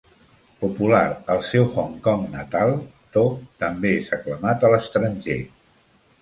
Popular al seu Hong Kong natal, To també és aclamat a l'estranger.